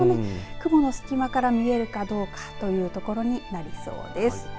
雲の隙間から見えるかどうかというところになりそうです。